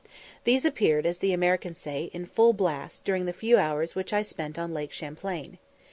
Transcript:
These appeared, as the Americans say, in "full blast," during the few hours which I spent on Lake Champlain.